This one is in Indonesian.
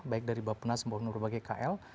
baik dari bapak nas maupun berbagai kl